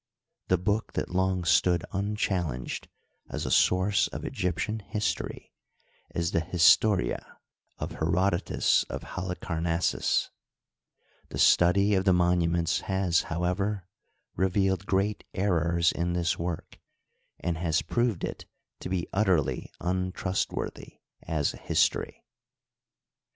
Tne book that long stood unchal lenged as a source of Egyptian history is the " Historia " of Herodotus of Halicarnassus, The study of the monu ments has, however, revealed great errors in this work, and has proved it to be utterly untrustworthy as a his tory.